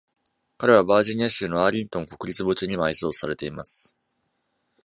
彼はバージニア州のアーリントン国立墓地に埋葬されています。